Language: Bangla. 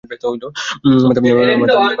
মাথা গরম করবে না।